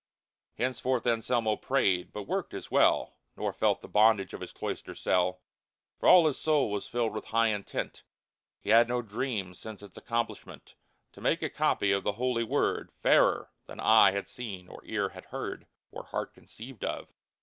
" Henceforth Anselmo prayed, but worked as well, Nor felt the bondage of his cloister cell ; For all his soul was filled with high intent, He had no dream since its accomplishment —• To make a copy of the Holy Word, Fairer than eye had seen, or ear had heard, Or heart conceived of!